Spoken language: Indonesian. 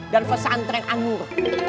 dan pesantren anur